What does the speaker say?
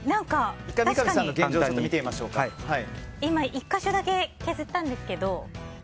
１か所だけ削ったんですけど。